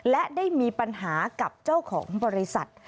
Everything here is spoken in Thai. และได้มีปัญหากับเจ้าของบริษัท